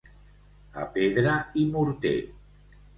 A pedra i morter.